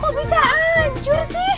kok bisa ancur sih